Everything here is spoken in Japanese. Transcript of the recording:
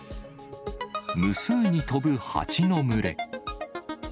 無数に飛ぶハチの群れ。